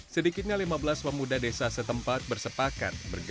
sedikitnya lima belas pemuda desa setempat bersepakat